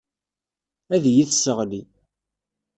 Ad iyi-tesseɣli.